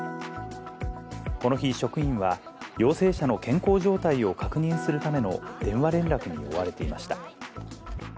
この日、職員は陽性者の健康状態を確認するための電話連絡に追われていました。